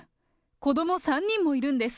子ども３人もいるんです。